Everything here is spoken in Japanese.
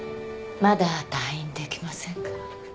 まだ退院できませんか？